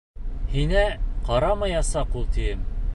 Һиңә ҡарамаясаҡ ул, тием.